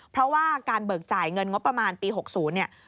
เพราะว่าการเบิกจ่ายเงินงบประมาณปี๖๐เนี่ย